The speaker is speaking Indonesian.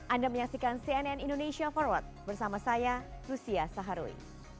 anda menyaksikan cnn indonesia forward bersama saya lucia saharuy